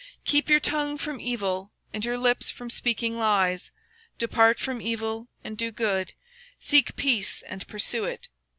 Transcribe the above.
Keep thy tongue from evil, And thy lips from speaking guile. Depart from evil, and do good; Seek peace, and pursue it.